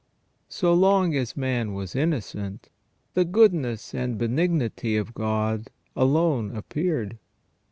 So long as man was innocent, the goodness and benignity of God alone appeared.